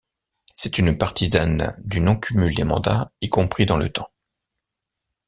C'est une partisane du non cumul des mandats, y compris dans le temps.